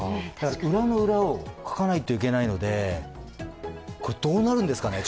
裏の裏をかかないといけないので、どうなるんですかね？